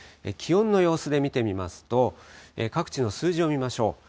気温の様子で見てみますと、各地の数字を見ましょう。